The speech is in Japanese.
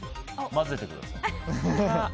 混ぜてください。